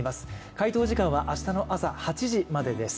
回答時間は明日の朝８時までです。